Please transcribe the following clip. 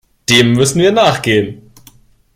Dem müssen wir nachgehen.